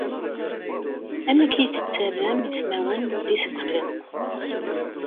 Amek ay tettarram ismawen d isegten?